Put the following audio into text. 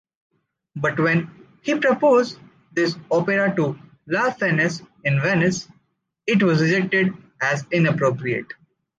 But when he proposed this opera to La Fenice in Venice, it was rejected as inappropriate.